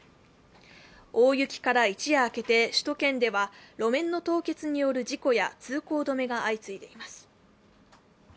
大雪から一夜明けて首都圏では路面の凍結による事故や通行止めが相次いでいます。